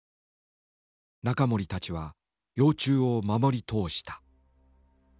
仲盛たちは幼虫を守り通した。